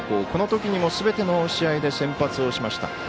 このときにはすべての試合で先発をしました。